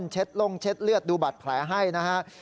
ลงเช็ดเลือดดูบัตรแผลให้นะครับ